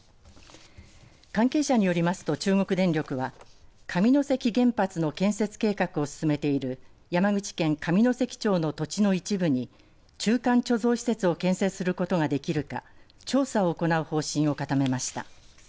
関係者によりますと中国電力は上関原発の建設計画を進めている山口県上関町の土地の一部に中間貯蔵施設を建設することができるか調査を行う方針を固めました。